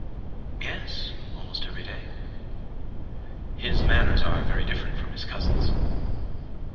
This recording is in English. "Yes, almost every day." "His manners are very different from his cousin's."